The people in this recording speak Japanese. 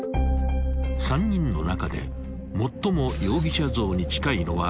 ［３人の中で最も容疑者像に近いのは］